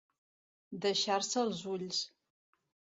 Deixar-se els ulls.